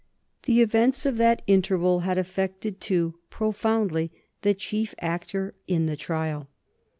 The events of that interval had affected too, profoundly, the chief actor in the trial.